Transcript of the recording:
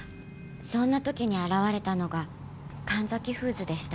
そんな時に現れたのが神崎フーズでした。